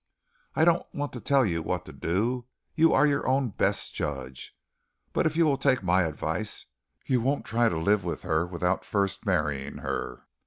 I don't want to tell you what to do. You are your own best judge, but if you will take my advice, you won't try to live with her without first marrying her.